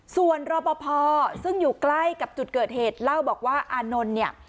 ส่วนรอปภซึ่งอยู่ใกล้กับจุดเกิดเหตุเล่าบอกว่าอานนท์เนี่ย